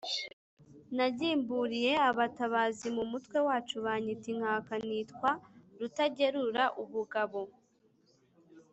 nagimbuliye abatabazi mu mutwe wacu banyita inkaka, nitwa Rutagerura ubugabo